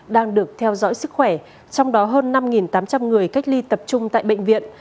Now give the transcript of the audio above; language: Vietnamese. đang được theo dõi sức khỏe trong đó hơn năm tám trăm linh người cách ly tập trung tại bệnh viện